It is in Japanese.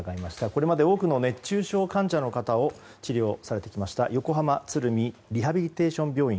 これまで多くの熱中症患者の方を治療されてきました横浜鶴見リハビリテーション病院